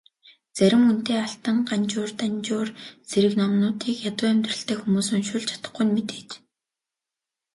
Зарим үнэтэй Алтан Ганжуур, Данжуур зэрэг номуудыг ядуу амьдралтай хүмүүс уншуулж чадахгүй нь мэдээж.